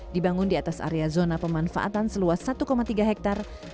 dibangun di atas area zona pemanfaatan seluas satu tiga hektare